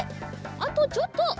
あとちょっと。